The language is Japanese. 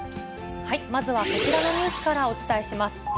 まずはこちらのニュースからお伝えします。